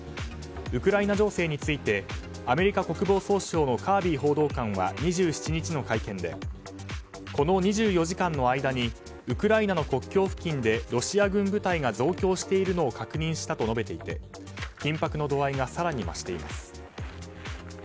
ウクライナ情勢についてアメリカ国防総省のカービー報道官は２７日の会見でこの２４時間の間にウクライナの国境付近でロシア軍部隊が増強しているのを確認したと述べていて緊迫の度合いが更に増しています。